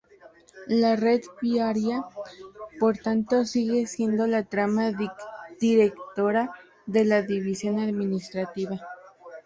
La red viaria, por tanto, sigue siendo la trama directora de la división administrativa.